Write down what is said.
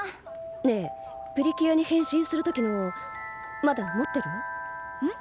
ねえプリキュアに変身する時のまだ持ってる？ん？